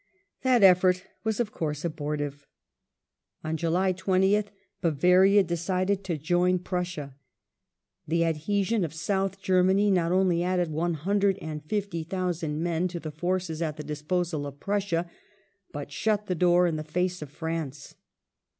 That effort was, of course, abortive. On July 20th Bavaria decided to join Prussia. The adhesion of South Germany not only added 150,000 men to the forces at the disposal of Prussia, but shut the door in the face of France.